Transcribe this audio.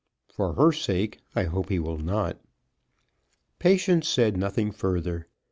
For her sake I hope he will not." Patience said nothing further.